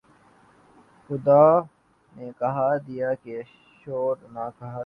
خدا نے کہہ دیا کہ سؤر نہ کھانا